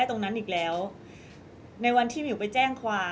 ก็ต้องฝากพี่สื่อมวลชนในการติดตามเนี่ยแหละค่ะ